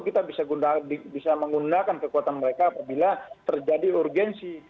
kita bisa menggunakan kekuatan mereka apabila terjadi urgensi